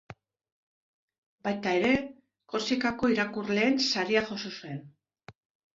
Baita ere, Korsikako irakurleen saria jaso zuen.